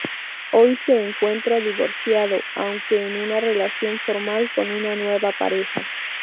Hoy se encuentra divorciado, aunque en una relación formal con una nueva pareja.